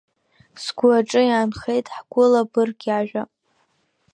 Сгәы аҿы иаанхеит ҳгәыла быргк иажәа.